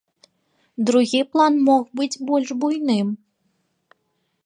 Другі план мог быць больш буйным.